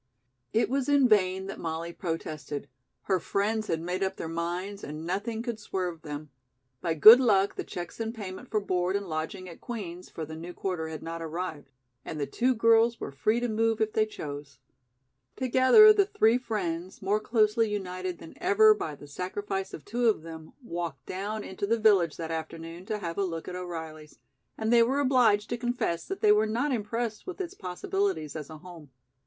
It was in vain that Molly protested. Her friends had made up their minds and nothing could swerve them. By good luck, the checks in payment for board and lodging at Queen's for the new quarter had not arrived, and the two girls were free to move if they chose. Together the three friends, more closely united than ever by the sacrifice of two of them, walked down into the village that afternoon to have a look at O'Reilly's, and they were obliged to confess that they were not impressed with its possibilities as a home.